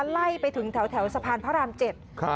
ไล่ไปถึงแถวสะพานพระราม๗